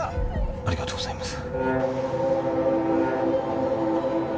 ありがとうございます